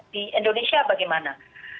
di indonesia bagaimana